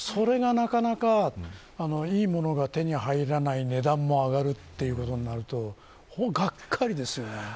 それが、なかなかいいものが手に入らない値段も上がるということになるとがっかりですよ。